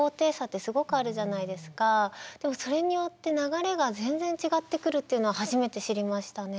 でもそれによって流れが全然違ってくるっていうのは初めて知りましたね。